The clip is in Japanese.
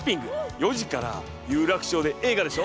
４時から有楽町で映画でしょ？